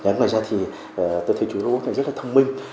kém ngoài ra thì tôi thấy chú robot này rất là thông minh